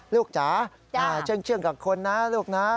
จ๋าเชื่องกับคนนะลูกนะ